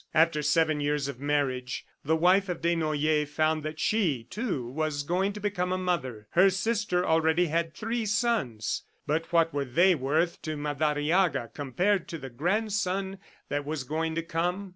After seven years of marriage, the wife of Desnoyers found that she, too, was going to become a mother. Her sister already had three sons. But what were they worth to Madariaga compared to the grandson that was going to come?